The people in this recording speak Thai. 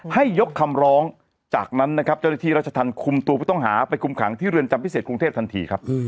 ให้ยกคำร้องจากนั้นนะครับเจ้าหน้าที่รัชธรรมคุมตัวผู้ต้องหาไปคุมขังที่เรือนจำพิเศษกรุงเทพทันทีครับ